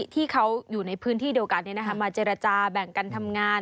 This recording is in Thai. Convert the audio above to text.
ที่เขาอยู่ในพื้นที่เดียวกันมาเจรจาแบ่งกันทำงาน